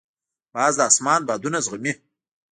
باز د اسمان بادونه زغمي